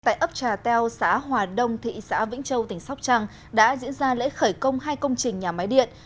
tại ấp trà teo xã hòa đông thị xã vĩnh châu tỉnh sóc trăng đã diễn ra lễ khởi công hai công trình nhà máy điện